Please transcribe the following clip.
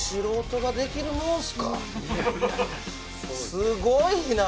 すごいな！